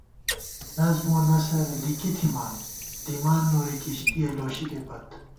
نظم و نثر لِکی تھِمان، دِمان نوری کِشتِیَہ لوشِکےپت